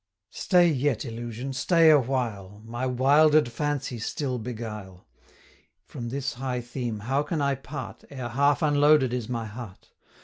Stay yet, illusion, stay a while, My wilder'd fancy still beguile! From this high theme how can I part, Ere half unloaded is my heart!